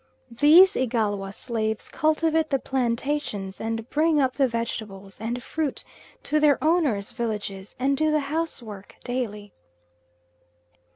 These Igalwa slaves cultivate the plantations, and bring up the vegetables and fruit to their owners' villages and do the housework daily.